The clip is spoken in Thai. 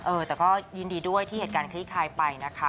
เออแต่ก็ยินดีด้วยที่เหตุการณ์คลี่คลายไปนะคะ